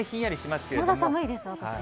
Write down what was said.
まだ寒いです、私。